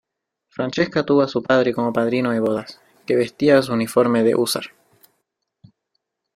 Francesca tuvo a su padre como padrino de boda, que vestía uniforme de húsar.